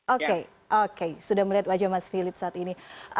oke oke sudah melihat wajah mas philip saat ini